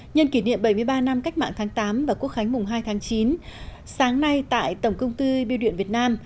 nhân kỷ niệm bảy mươi ba năm cách mạng tháng tám và quốc khánh mùng hai tháng chín sáng nay tại tổng công ty biêu điện việt nam